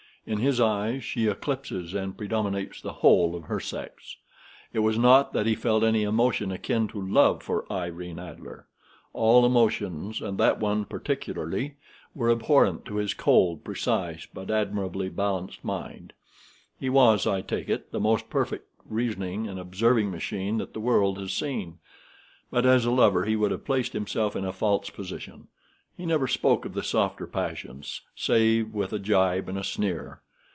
In his eyes she eclipses and predominates the whole of her sex. It was not that he felt any emotion akin to love for Irene Adler. All emotions, and that one particularly, were abhorrent to his cold, precise but admirably balanced mind. He was, I take it, the most perfect reasoning and observing machine that the world has seen; but as a lover, he would have placed himself in a false position. He never spoke of the softer passions, save with a gibe and a sneer.